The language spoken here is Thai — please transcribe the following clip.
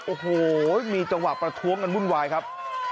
โอ้โหมีจังหวะประท้วงกันวุ่นวายครับ